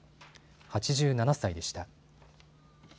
８７歳でした。